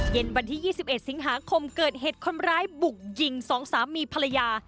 เย็นวันที่๒๑สิงหาคมเกิดเหตุคนร้ายบุกยิงสองสามีภรรยา